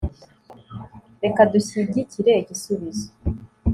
Reka dushyigikire igisubizo